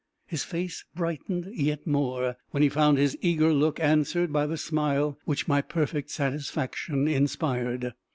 His face brightened yet more when he found his eager look answered by the smile which my perfect satisfaction inspired.